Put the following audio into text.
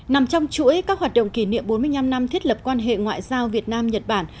nằm trong chuỗi các hoạt động kỷ niệm bốn mươi năm năm thiết lập quan hệ ngoại giao việt nam nhật bản